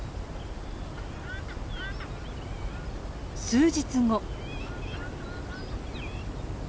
数日後。